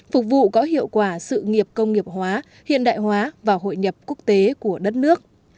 phục vụ có hiệu quả sự nghiệp công nghiệp hóa hiện đại hóa và hội nhập quốc tế của đất nước